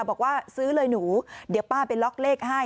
บอกว่าซื้อเลยหนูเดี๋ยวป้าไปล็อกเลขให้